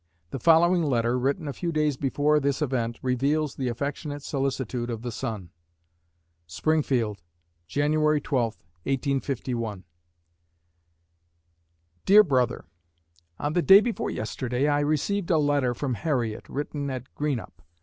The following letter, written a few days before this event, reveals the affectionate solicitude of the son: Springfield, Jan. 12,1851. DEAR BROTHER: On the day before yesterday I received a letter from Harriet, written at Greenup.